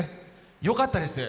よかったです。